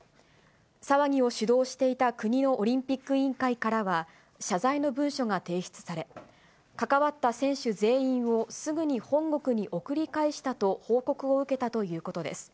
騒ぎを主導していた国のオリンピック委員会からは、謝罪の文書が提出され、関わった選手全員をすぐに本国に送り返したと報告を受けたということです。